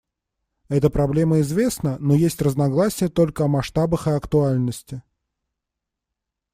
Это проблема известна, но есть разногласия только о масштабах и актуальности.